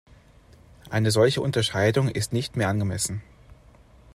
Eine solche Unterscheidung ist nicht mehr angemessen.